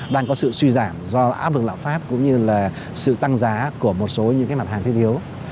đang có sự suy giảm do áp lực lãm pháp cũng như sự tăng giá của một số mặt hàng thiếu